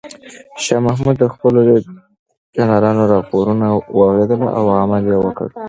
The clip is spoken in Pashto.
شاه محمود د خپلو جنرالانو راپورونه واورېدل او عمل یې وکړ.